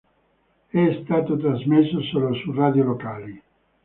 È stato trasmesso solo su radio locali.